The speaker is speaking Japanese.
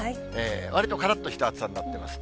わりとからっとした暑さになってます。